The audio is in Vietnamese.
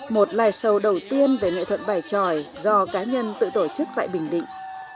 một live show đầu tiên về nghệ thuật bài tròi do cá nhân tự tổ chức tại bình định